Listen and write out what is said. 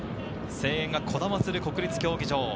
声援がこだまする国立競技場。